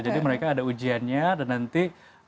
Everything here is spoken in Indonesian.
jadi mereka ada ujiannya dan nanti